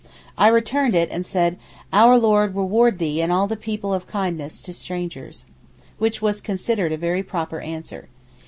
I returned it, and said, 'Our Lord reward thee and all the people of kindness to strangers,' which was considered a very proper answer.